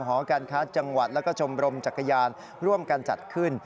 หอการค้าจังหวัดแล้วก็ชมรมจักรยานร่วมกันจัดขึ้น